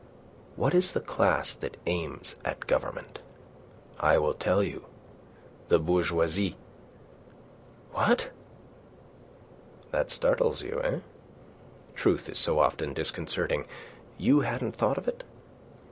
What is the class that aims at government? I will tell you. The bourgeoisie." "What?" "That startles you, eh? Truth is so often disconcerting. You hadn't thought of it?